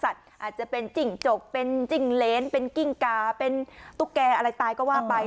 อาจจะเป็นจิ้งจกเป็นจิ้งเหรนเป็นกิ้งกาเป็นตุ๊กแก่อะไรตายก็ว่าไป